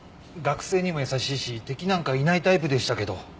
学生にも優しいし敵なんかいないタイプでしたけど。